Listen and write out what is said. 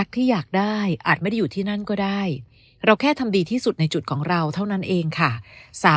ที่อยากได้อาจไม่ได้อยู่ที่นั่นก็ได้เราแค่ทำดีที่สุดในจุดของเราเท่านั้นเองค่ะ